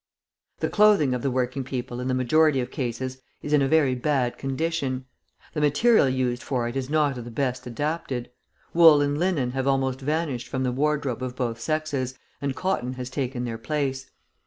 The clothing of the working people, in the majority of cases, is in a very bad condition. The material used for it is not of the best adapted. Wool and linen have almost vanished from the wardrobe of both sexes, and cotton has taken their place.